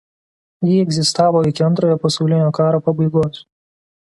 Ji egzistavo iki Antrojo pasaulinio karo pabaigos.